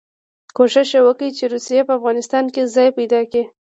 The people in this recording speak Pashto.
کوښښ یې وکړ چې روسیه په افغانستان کې ځای پیدا کړي.